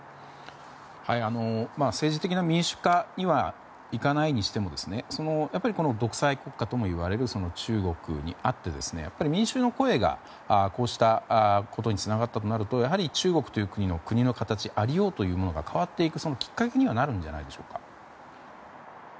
政治的な民主化には行かないにしてもやっぱり、この独裁国家ともいわれる中国にあって民衆の声がこうしたことにつながったとなるとやはり中国という国の国の形在りようというものが変わっていくきっかけにはなるんじゃないでしょうか？